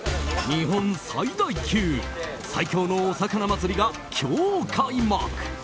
日本最大級最強のお魚祭りが今日開幕。